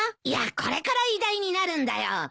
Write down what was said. いやこれから偉大になるんだよ。